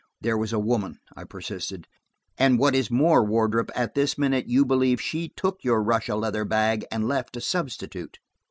"There was a woman," I persisted, "and what is more, Wardrop, at this minute you believe she took your Russia leather bag and left a substitute."